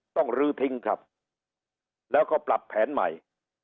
ลื้อทิ้งครับแล้วก็ปรับแผนใหม่